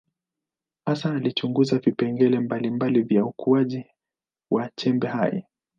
Hasa alichunguza vipengele mbalimbali vya ukuaji wa chembe hai.